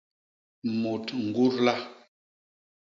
Mut ñgudla.